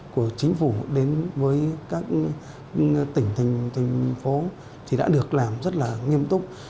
của chính phủ đến với các tỉnh tỉnh phố thì đã được làm rất nghiêm túc